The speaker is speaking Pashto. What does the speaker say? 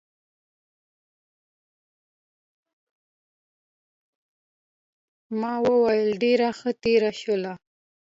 ما وویل ډېره ښه تېره شول.